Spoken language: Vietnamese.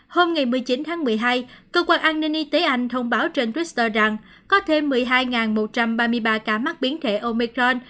hôm một mươi chín tháng một mươi hai cơ quan an ninh y tế anh thông báo trên twitter rằng có thêm một mươi hai một trăm ba mươi ba ca mắc biến thể omicron